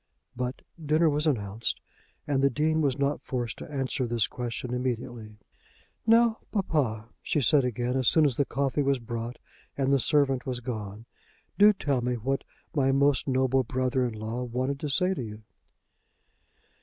But dinner was announced, and the Dean was not forced to answer this question immediately. "Now, papa," she said again, as soon as the coffee was brought and the servant was gone, "do tell me what my most noble brother in law wanted to say to you?"